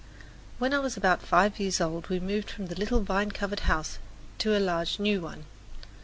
When I was about five years old we moved from the little vine covered house to a large new one.